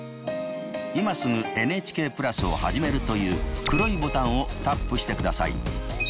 「今すぐＮＨＫプラスをはじめる」という黒いボタンをタップしてください。